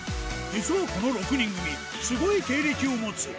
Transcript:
実はこの６人組、すごい経歴を持つ。